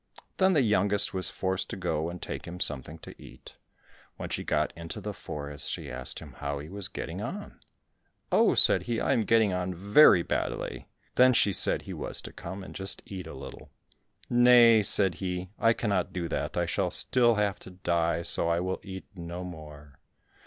Then the youngest was forced to go and take him something to eat. When she got into the forest, she asked him how he was getting on? "Oh," said he, "I am getting on very badly." Then she said he was to come and just eat a little. "Nay," said he, "I cannot do that, I shall still have to die, so I will eat no more."